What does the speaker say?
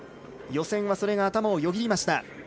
予選はそれが頭をよぎりました。